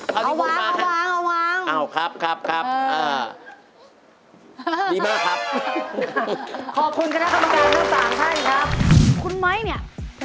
พี่หอย